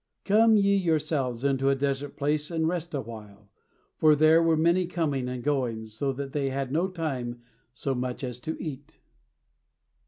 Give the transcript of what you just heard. "Come ye yourselves into a desert place and rest a while; for there were many coming and going, so that they had no time so much as to eat."